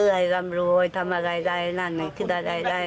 ให้ร่ำรวยทำอะไรได้นั่นคิดอะไรได้